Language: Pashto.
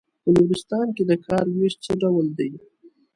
په نورستان کې د کار وېش څه ډول دی.